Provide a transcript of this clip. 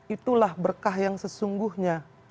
itulah berkah yang sesungguhnya